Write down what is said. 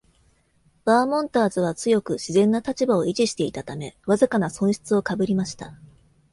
バーモンターズは強く、自然な立場を維持していたため、わずかな損失を被りました。